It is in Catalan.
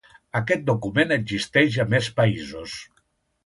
Aquest document existeix a més països?